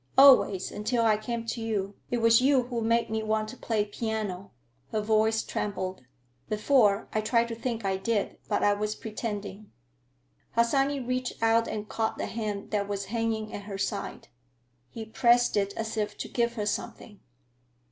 "Always, until I came to you. It was you who made me want to play piano." Her voice trembled. "Before, I tried to think I did, but I was pretending." Harsanyi reached out and caught the hand that was hanging at her side. He pressed it as if to give her something.